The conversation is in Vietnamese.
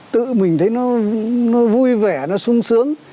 tự mình thấy nó vui vẻ nó sung sướng